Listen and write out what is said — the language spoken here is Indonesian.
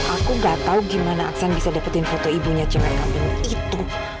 aku gak tau gimana aksan bisa dapetin foto ibunya cemek kemuk itu